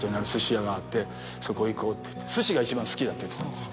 そこ行こうって言って寿司が一番好きだって言ってたんです。